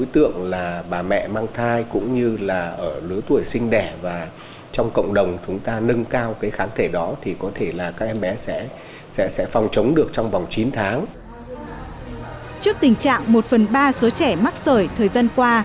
trước tình trạng một phần ba số trẻ mắc sởi thời gian qua